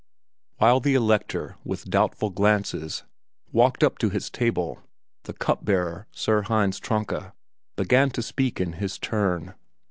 While the Elector, with doubtful glances, walked up to his table, the Cup bearer, Sir Hinz Tronka, began to speak in his turn.